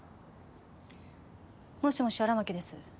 もしもし荒牧です